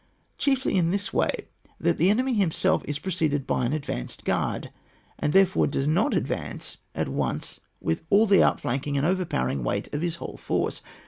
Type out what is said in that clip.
Chiefly in this way, that the enemy himself is preceded by an advanced guard, and therefore does not advance at once with all the outflanking and overpowering weight of his whole force.